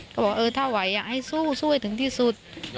ก็บอกเออถ้าไหวให้สู้ให้ถึงที่สุด